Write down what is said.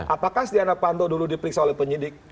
apakah setiap anak panto dulu diperiksa oleh penyidik